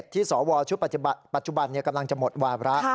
ที่สวชุดปัจจุบันกำลังจะหมดวาระ